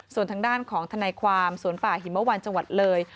ส่วนทางด้านของทนายความสวนป่าหิมวันจังหวัดเลย